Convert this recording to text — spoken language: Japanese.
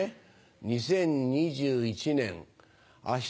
２０２１年明日